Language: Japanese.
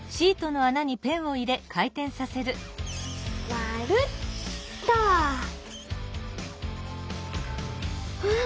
まるっと！うわ！